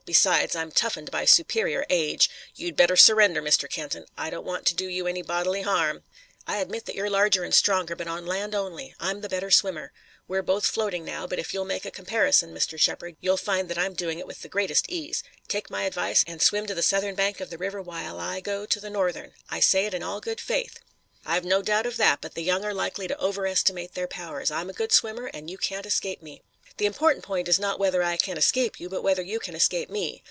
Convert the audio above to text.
Besides, I'm toughened by superior age. You'd better surrender, Mr. Kenton. I don't want to do you any bodily harm." "I admit that you're larger and stronger, but on land only. I'm the better swimmer. We're both floating now, but if you'll make a comparison, Mr. Shepard, you'll find that I'm doing it with the greatest ease. Take my advice, and swim to the southern bank of the river while I go to the northern. I say it in all good faith." "I've no doubt of that, but the young are likely to over estimate their powers. I'm a good swimmer, and you can't escape me." "The important point is not whether I can escape you, but whether you can escape me.